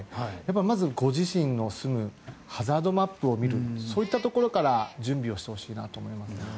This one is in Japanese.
まずは、ご自身の住む場所のハザードマップを見るそういったところから準備をしてほしいなと思います。